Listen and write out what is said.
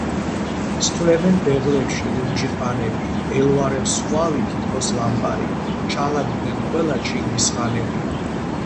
სთვლემენ ბეღლებში ლურჯი ყანები ელვარებს ხვავი თითქოს ლამპარი ჩალაგდნენ ყველა ჩინგის ხანები